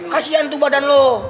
kasian tuh badan lo